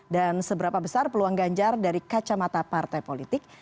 dan seberapa besar peluang ganjar dari kacamata partai politik